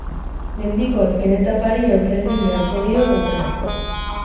Mendiko azken etapari aurre egin beharko dio horretarako.